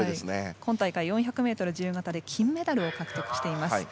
今大会４００ｍ自由形で金メダルを獲得しています。